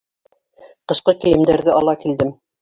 Ҡышҡы кейемдәрҙе ала килдем.